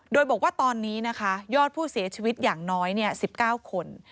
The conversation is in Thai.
โดยบอกว่าตอนนี้นะคะยอดผู้เสียชีวิตอย่างน้อย๑๙คน